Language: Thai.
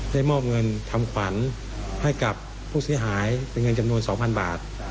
ได้มอบเงินทำขวัญให้กับผู้เสียหายเป็นเงินจำนวน๒๐๐บาท